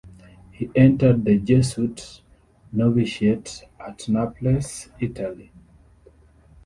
He entered the Jesuit novitiate at Naples, Italy.